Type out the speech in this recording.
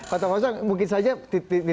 katakosong mungkin saja titik itu